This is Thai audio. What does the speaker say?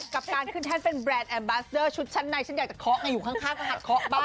กับการขึ้นแท่นเป็นแบรนด์แอมบาสเดอร์ชุดชั้นในฉันอยากจะเคาะไงอยู่ข้างก็หัดเคาะบ้าง